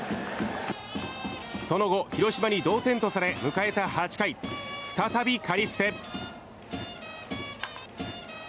その後、広島に同点とされ迎えた８回再び、カリステ。